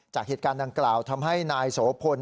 จากเหตุการณ์ดังกล่าวทำให้นายโสพล